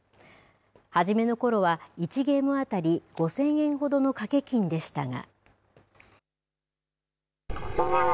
初めのころは、１ゲーム当たり５０００円ほどの賭け金でしたが。